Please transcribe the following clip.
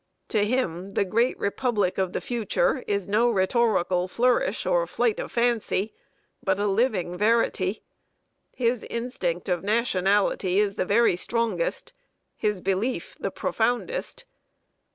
To him, the Great Republic of the future is no rhetorical flourish or flight of fancy, but a living verity. His instinct of nationality is the very strongest; his belief the profoundest.